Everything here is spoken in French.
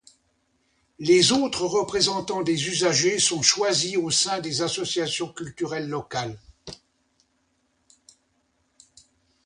Les autres représentants des usagers sont choisis au sein des associations culturelles locales.